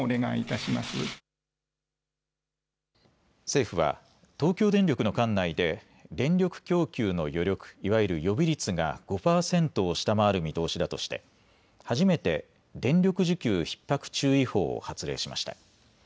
政府は東京電力の管内で電力供給の余力、いわゆる予備率が５％を下回る見通しだとして初めて電力需給ひっ迫注意報を発令しました。